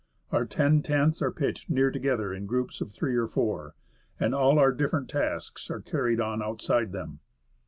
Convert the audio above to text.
Our ten tents are pitched near together in groups of three or four, and all our different tasks are carried on outside them.